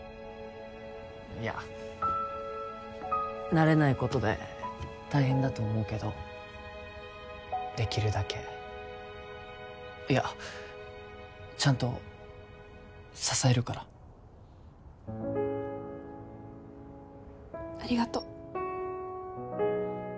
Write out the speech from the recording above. いや慣れないことで大変だと思うけどできるだけいやちゃんと支えるからありがと